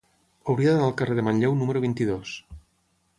Hauria d'anar al carrer de Manlleu número vint-i-dos.